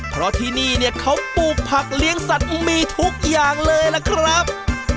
เพราะที่นี่เนี่ยเขาปลูกผักเลี้ยงสัตว์มีทุกอย่างเลยล่ะครับ